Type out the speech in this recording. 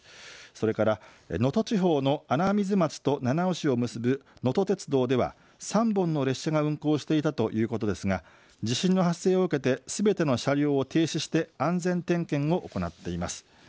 それから能登地方の穴水町と七尾市を結ぶのと鉄道では３本の列車が運行していたということですが、地震の発生を受けてすべての車両を停止して安全点検を行っています。